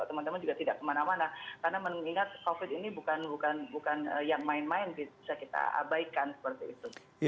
karena mengingat covid ini bukan yang main main bisa kita abaikan seperti itu